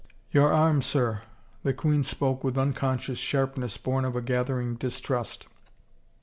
" Your arm, sir." The queen spoke with unconscious sharpness born of a gathering distrust.